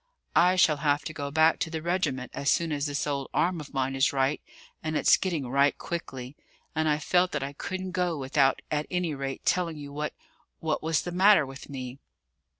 I shall have to go back to the regiment as soon as this old arm of mine is right; and it's getting right quickly; and I felt that I couldn't go without at any rate telling you what what was the matter with me."